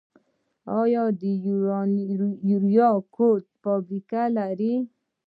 آیا د یوریا کود فابریکه لرو؟